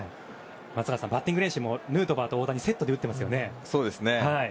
松坂さんバッティング練習もヌートバーと大谷セットで打っていますよね。